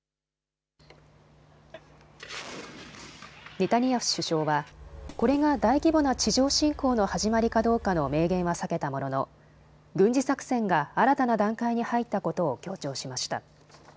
ネタニヤフ首相はこれが大規模な地上侵攻の始まりかどうかの明言は避けたものの軍事作戦が新たな段階に入ったことを強調しました。